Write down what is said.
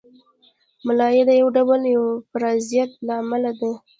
ملاریا د یو ډول پرازیت له امله ده